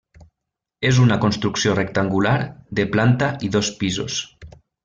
És una construcció rectangular, de planta i dos pisos.